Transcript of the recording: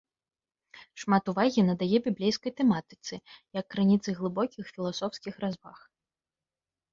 Шмат увагі надае біблейскай тэматыцы, як крыніцы глыбокіх філасофскіх разваг.